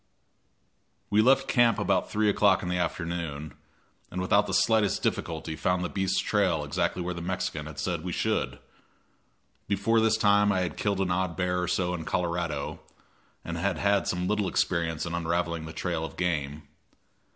We left camp about 3 o'clock in the afternoon, and without the slightest difficulty found the beast's trail exactly where the Mexican had said we should. Before this time I had killed an odd bear or so in Colorado, and had had some little experience in unraveling the trail of game.